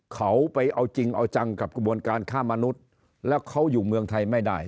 เขาไปเอาจริงเอาจังกับกระบวนการฆ่ามนุษย์แล้วเขาอยู่เมืองไทยไม่ได้